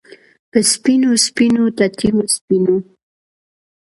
په سپینو، سپینو تتېو سپینو